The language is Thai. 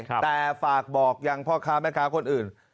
แต่ฝากบอกยังพ่อค้าแม่ค้าคนอื่น